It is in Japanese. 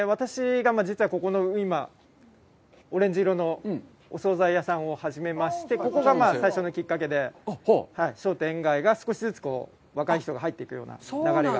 私が実はここの今、オレンジ色のお総菜屋さんを始めまして、ここが最初のきっかけで、商店街が少しずつ若い人が入ってくるような流れが。